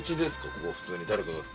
ここ普通に誰かが。